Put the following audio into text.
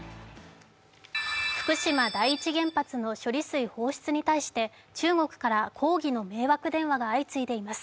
福島第一原発の処理水放出に対して中国から抗議の迷惑電話が相次いでいます。